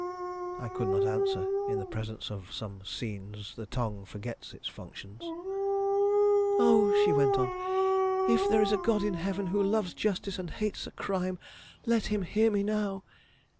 I could not answer; in the presence of some scenes the tongue forgets its functions. "Oh!" she went on, "if there is a God in heaven who loves justice and hates a crime, let Him hear me now.